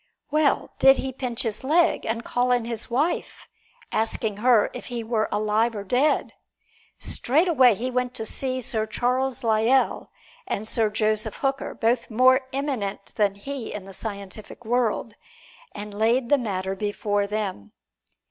Well did he pinch his leg, and call in his wife, asking her if he were alive or dead. Straightway he went to see Sir Charles Lyell and Sir Joseph Hooker, both more eminent than he in the scientific world, and laid the matter before them.